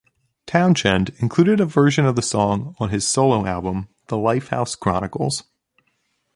Townshend included a version of the song on his solo album "The Lifehouse Chronicles".